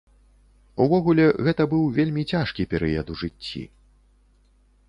Увогуле, гэта быў вельмі цяжкі перыяд у жыцці.